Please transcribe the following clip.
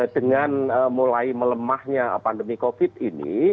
dengan mulai melemahnya pandemi covid ini